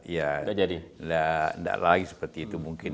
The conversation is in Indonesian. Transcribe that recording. ya tidak lagi seperti itu